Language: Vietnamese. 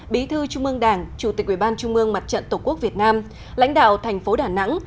bí thư trung ương đảng chủ tịch ủy ban trung mương mặt trận tổ quốc việt nam lãnh đạo thành phố đà nẵng